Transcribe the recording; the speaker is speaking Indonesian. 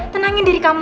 tenangin diri kamu